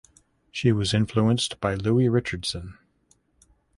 She was influenced by Louis Richardson.